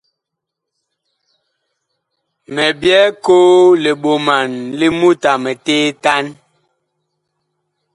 Mi byɛɛ koo li ɓoman li mut a miteetan.